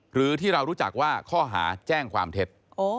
หรือที่เรารู้จักว่าข้อหาแจ้งความเท็จ